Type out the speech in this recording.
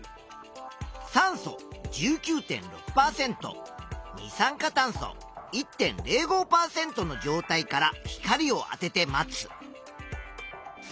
酸素１９．６％二酸化炭素１．０５％の状態から光をあてて待つ。